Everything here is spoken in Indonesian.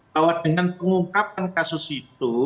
bahwa dengan pengungkapan kasus itu